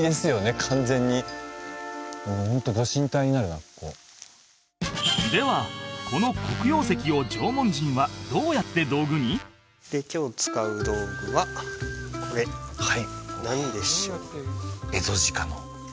まあではこの黒曜石を縄文人はで今日使う道具はこれはい何でしょう？